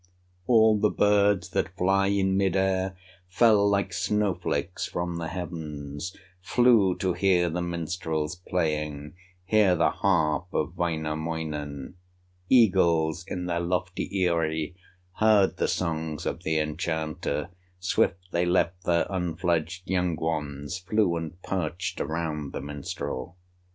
All the birds that fly in mid air Fell like snow flakes from the heavens, Flew to hear the minstrel's playing, Hear the harp of Wainamoinen. Eagles in their lofty eyrie Heard the songs of the enchanter; Swift they left their unfledged young ones, Flew and perched around the minstrel.